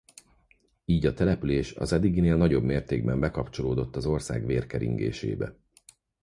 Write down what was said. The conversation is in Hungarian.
Így a település az eddiginél nagyobb mértékben bekapcsolódott az ország vérkeringésébe.